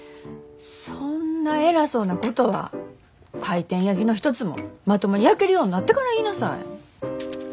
そんな偉そうなことは回転焼きの一つもまともに焼けるようになってから言いなさい。